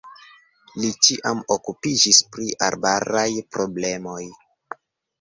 Li ĉiam okupiĝis pri arbaraj problemoj.